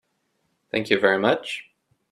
Thank you very much.